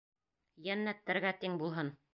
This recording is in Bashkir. Йәннәттәргә тиң булһын.